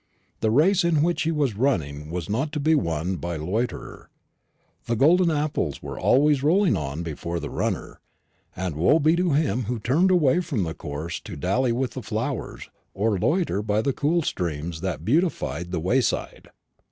The race in which he was running was not to be won by a loiterer. The golden apples were always rolling on before the runner; and woe be to him who turned away from the course to dally with the flowers or loiter by the cool streams that beautified the wayside.